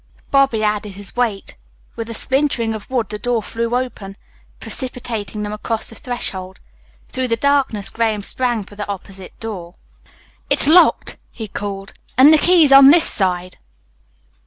Bobby added his weight. With a splintering of wood the door flew open, precipitating them across the threshold. Through the darkness Graham sprang for the opposite door. "It's locked," he called, "and the key's on this side."